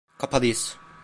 Kapalıyız.